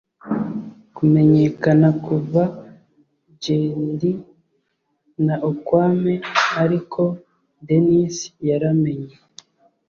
kumenyekana kuva njedi na okwame - ariko dennis yaramenye